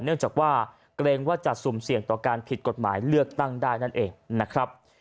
เนื่องจากว่าเกรงว่าจะสุ่มเสี่ยงต่อการผิดกฎหมายเลือกตั้งได้นั่นเองนะครับ